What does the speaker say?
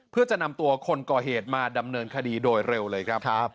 เพื่อจะนำตัวคนก่อเหตุมาดำเนินคดีโดยเร็วเลยครับ